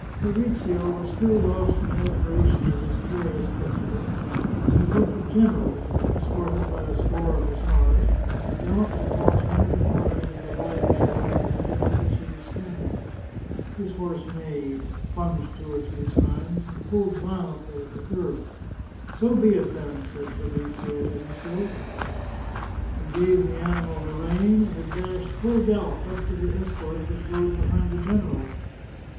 Fabrizio was still lost in admiration of this curious spec tacle, when a group of generals, escorted by a score of hus sars, galloped across one of the corners of the wide meadow on the edge of which he was standing. His horse neighed, plunged two or three times, and pulled violently at the curb. " So be it, then," said Fabrizio to himself. He gave the animal the rein, and it dashed, full gallop, up to the escort which rode behind the generals.